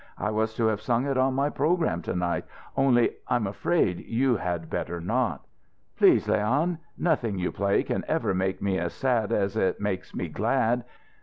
I was to have sung it on my program to night only, I'm afraid you had better not " "Please, Leon! Nothing you play can ever make me as sad as it makes me glad.